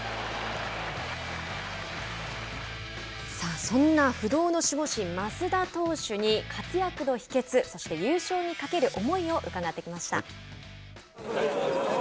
さあ、そんな不動の守護神益田投手に活躍の秘けつそして、優勝に懸ける思いを伺ってきました。